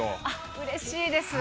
うれしいです。